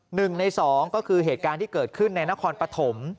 หนึ่งในสองก็คือเหตุการณ์ที่เกิดขึ้นในนครปฐม